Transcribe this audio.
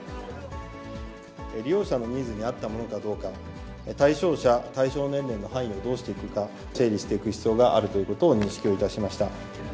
利用者のニーズに合ったものかどうか、対象者、対象年齢の範囲をどうしていくか、整理していく必要があるということを認識をいたしました。